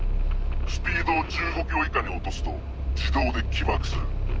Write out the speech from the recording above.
スピードを１５キロ以下に落とすと自動で起爆する。